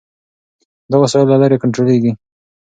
دا وسایل له لرې کنټرولېږي.